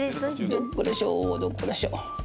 どっこらしょどっこらしょ。